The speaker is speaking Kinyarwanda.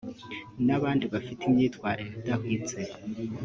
n’abandi bafite imyitwarire idahwitse